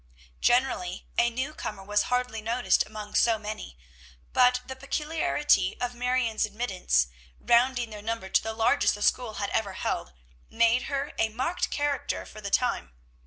Generally a new comer was hardly noticed among so many; but the peculiarity of Marion's admittance, rounding their number to the largest the school had ever held, made her a marked character for the time.